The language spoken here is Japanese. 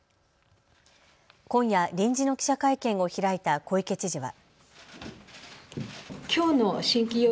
今夜、臨時の記者会見を開いた小池知事は。